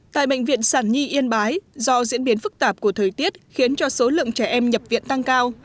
tại bệnh viện sản nhi yên bái do diễn biến phức tạp của thời tiết khiến cho số lượng trẻ em nhập viện tăng cao